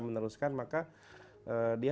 meneruskan maka dia